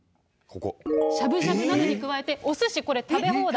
しゃぶしゃぶなどに加えておすし、これ、食べ放題。